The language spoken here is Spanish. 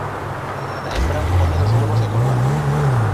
La hembra pone dos huevos de color azul.